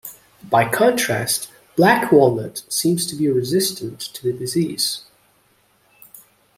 By contrast, black walnut seems to be resistant to the disease.